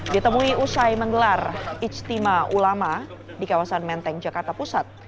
ditemui usai menggelar ijtima ulama di kawasan menteng jakarta pusat